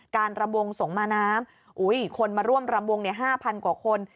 การระมวงสมมาน้ำคนมาร่วมระมวง๕๐๐๐กว่าคน